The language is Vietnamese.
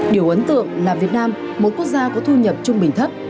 điều ấn tượng là việt nam một quốc gia có thu nhập trung bình thấp